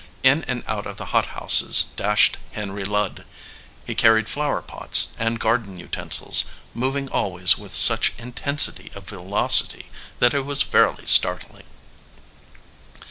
In and out of the hothouses dashed Henry Ludd. He carried flower pots and garden utensils, moving always with such intensity of velocity that it was fairly startling.